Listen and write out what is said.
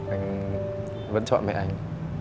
anh vẫn chọn mẹ anh